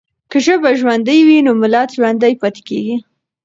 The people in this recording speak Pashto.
که ژبه ژوندۍ وي نو ملت ژوندی پاتې کېږي.